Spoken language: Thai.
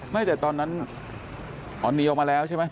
ไม่แต่ตอนนั้นออนีออกมาแล้วใช่ไหม